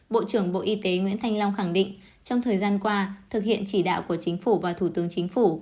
bộ trưởng bộ y tế nguyễn thanh long khẳng định trong thời gian qua thực hiện chỉ đạo của chính phủ và thủ tướng chính phủ